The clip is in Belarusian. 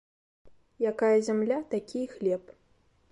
Якая зямля ‒ такі і хлеб